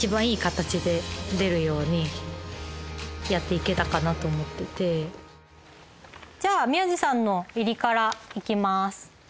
いい意味でかなと思っててじゃあ宮治さんの入りからいきます